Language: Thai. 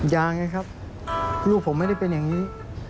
ยังไงครับลูกผมไม่ได้เป็นอย่างนี้